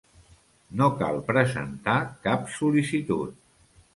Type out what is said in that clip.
No cal presentar cap sol·licitud.